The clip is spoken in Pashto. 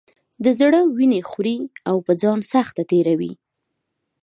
د زړه وینې خوري او په ځان سخته تېروي.